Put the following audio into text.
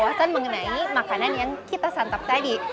kita juga menambah wawasan mengenai makanan yang kita santap tadi